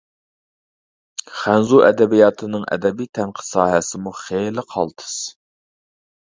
خەنزۇ ئەدەبىياتىنىڭ ئەدەبىي تەنقىد ساھەسىمۇ خېلى قالتىس.